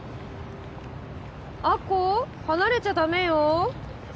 亜子離れちゃ駄目よ。